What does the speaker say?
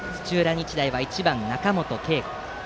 日大は１番の中本佳吾。